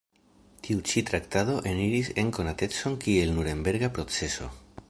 Tiu ĉi traktado eniris en konatecon kiel Nurenberga proceso.